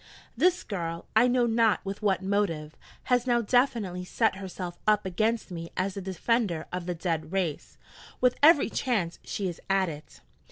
(This girl, I know not with what motive, has now definitely set herself up against me as the defender of the dead race. With every chance she is at it.)